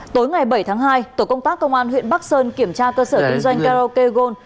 tối ngày bảy tháng hai tổ công tác công an huyện bắc sơn kiểm tra cơ sở kinh doanh karaoke gold